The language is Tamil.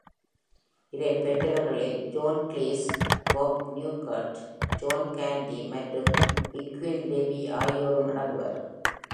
இதைப் பெற்றவர்களில் John Cleese, Bob Newhart, John Candy மற்றும் Eugene Levy ஆகியோரும் அடங்குவர்.